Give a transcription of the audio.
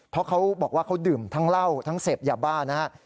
เพราะเขาบอกว่าเขาดื่มทั้งเหล้าทั้งเสพยาบ้านะครับ